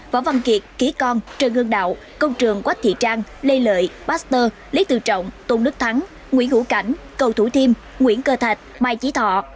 võ văn kiệt ký con trần hương đạo công trường quách thị trang lê lợi baxter lý từ trọng tôn đức thắng nguyễn hữu cảnh cầu thủ thiêm nguyễn cơ thạch mai chí thọ